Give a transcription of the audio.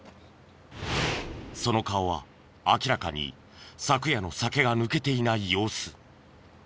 その顔は明らかに昨夜の酒が抜けていない様子。